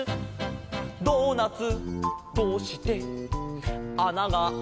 「ドーナツどうして穴がある？」